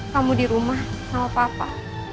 kamu di rumah sama papa